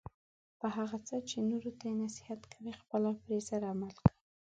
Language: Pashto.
په هغه څه چې نورو ته یی نصیحت کوي خپله پری زر عمل کوه